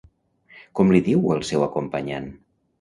Com li diu al seu acompanyant?